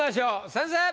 先生！